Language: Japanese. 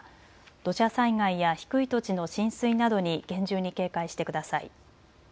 土砂災害や低い土地の浸水などに厳重に警戒してください。